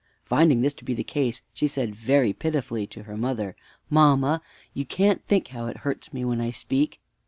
Finding this to be the case, she said very pitifully to her mother, "Mamma, you can't think how it hurts me when I speak!"